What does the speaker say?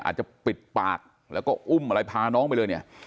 อาจจะปิดปากแล้วก็อุ้มอะไรพาน้องไปเลยเนี่ย